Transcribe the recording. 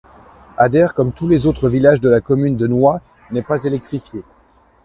Adere, comme tous les autres villages de la commune de Nwa, n'est pas électrifié.